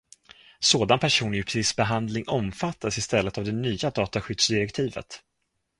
Sådan personuppgiftsbehandling omfattas i stället av det nya dataskyddsdirektivet.